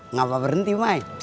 ngapa berhenti mai